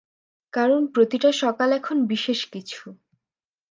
কারণ প্রতিটা সকাল এখন বিশেষ কিছু।